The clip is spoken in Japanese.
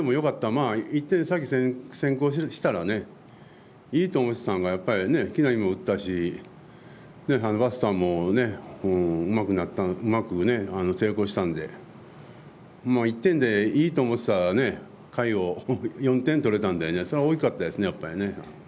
まあ、１点先、先行したらねいいと思っていたのが木浪も打ったしバスターもうまく成功したんで１点でいいと思ってた回を４点取れたのでそれが大きかったです、やっぱり。